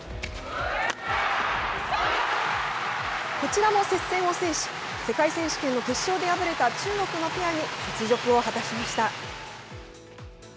こちらも接戦を制し、世界選手権の決勝で敗れた中国のペアに雪辱を果たしました。